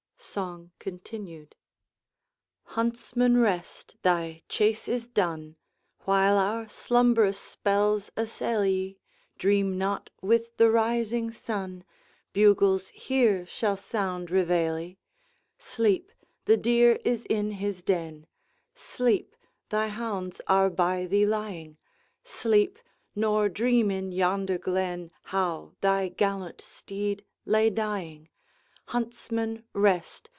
Song Continued. 'Huntsman, rest! thy chase is done; While our slumbrous spells assail ye, Dream not, with the rising sun, Bugles here shall sound reveille. Sleep! the deer is in his den; Sleep! thy hounds are by thee lying; Sleep! nor dream in yonder glen How thy gallant steed lay dying. Huntsman, rest!